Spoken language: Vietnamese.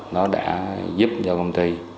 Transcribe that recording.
nó đã giúp cho công ty